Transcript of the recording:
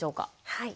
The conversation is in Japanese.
はい。